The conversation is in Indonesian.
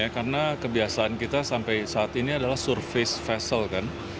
karena kebiasaan kita sampai saat ini adalah surface vessel kan